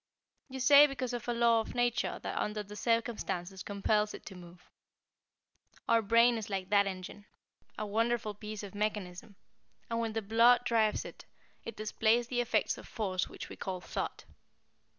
You say because of a law of nature that under the circumstances compels it to move. Our brain is like that engine a wonderful piece of mechanism, and when the blood drives it, it displays the effects of force which we call Thought.